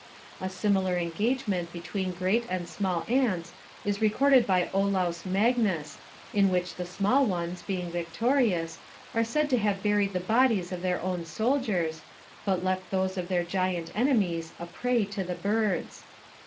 A similar engagement between great and small ants is recorded by Olaus Magnus, in which the small ones, being victorious, are said to have buried the bodies of their own soldiers, but left those of their giant enemies a prey to the birds.